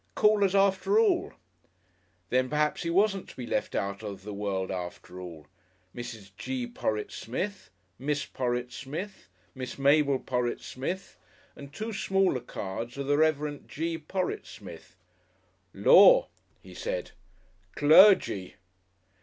Callers after all! Then perhaps he wasn't to be left out of the world after all. Mrs. G. Porrett Smith, Miss Porrett Smith, Miss Mabel Porrett Smith, and two smaller cards of the Rev. G. Porrett Smith. "Lor'!" he said, "_Clergy!